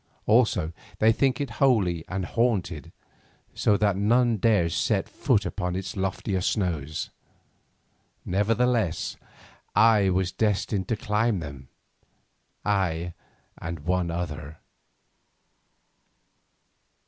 Also they think it holy and haunted, so that none dare set foot upon its loftier snows. Nevertheless I was destined to climb them—I and one other.